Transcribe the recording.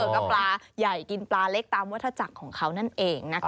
ก็ปลาใหญ่กินปลาเล็กตามวัฒจักรของเขานั่นเองนะคะ